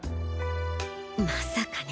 まさかね